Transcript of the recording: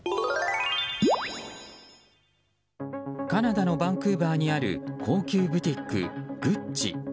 カナダのバンクーバーにある高級ブティック、グッチ。